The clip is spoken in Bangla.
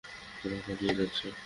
ওরা পালিয়ে যাচ্ছে।